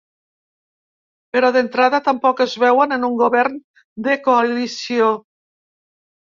Però d’entrada tampoc es veuen en un govern de coalició.